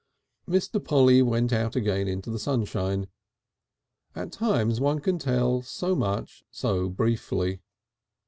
Mr. Polly went out again into the sunshine. At times one can tell so much so briefly.